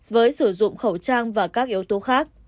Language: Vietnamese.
với sử dụng khẩu trang và các yếu tố khác